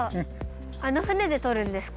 あの船でとるんですか？